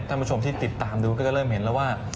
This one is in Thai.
ท่านผู้ชมที่ติดตามดูก็จะเริ่มเห็นแล้วว่า